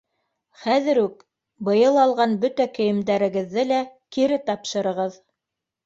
Хәҙер үк быйыл алған бөтә кейемдәрегеҙҙе лә кире тапшырығыҙ!